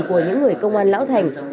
của những người công an lão thành